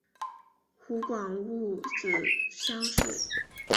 湖广戊子乡试。